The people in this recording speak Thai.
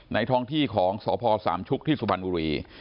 ท้องที่ของสพสามชุกที่สุพรรณบุรี